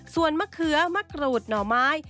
ส่วนมะเขือมะกรูดหน่อไม้